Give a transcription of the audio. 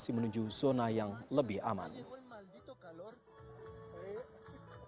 setelah itu sebuah pabrik alkohol di meksiko city tersebut meledak pada pukul empat pagi waktu setempat